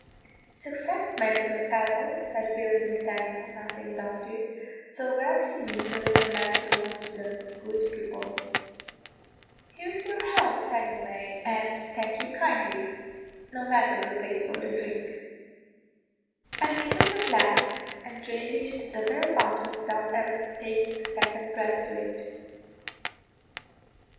"Success, my little fellow," said Billy Mac Daniel, nothing daunted, though well he knew the little man to belong to the good people; "here's your health, anyway, and thank you kindly; no matter who pays for the drink;" and he took the glass and drained it to the very bottom without ever taking a second breath to it.